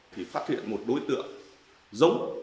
thì phát hiện một đối tượng